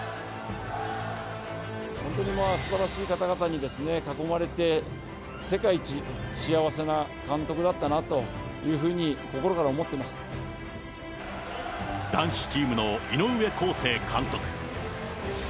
本当に、すばらしい方々に囲まれて、世界一幸せな監督だったなというふうに、男子チームの井上康生監督。